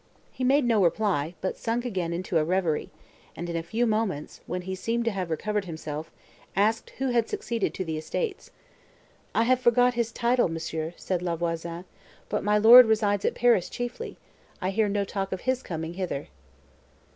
He made no reply, but sunk again into a reverie; and in a few moments, when he seemed to have recovered himself, asked who had succeeded to the estates. "I have forgot his title, monsieur," said La Voisin; "but my lord resides at Paris chiefly; I hear no talk of his coming hither."